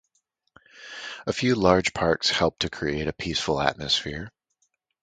A few large parks help to create a peaceful atmosphere.